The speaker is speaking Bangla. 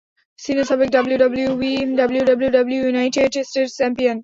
সিনা সাবেক ডাব্লিউডাব্লিউই ইউনাইটেড স্টেটস চ্যাম্পিয়ন।